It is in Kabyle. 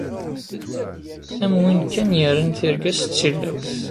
Am win kan yerran tirga-s d tilawt.